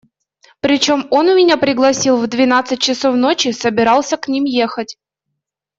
Причем он меня пригласил в двенадцать часов ночи, собирался к ним ехать.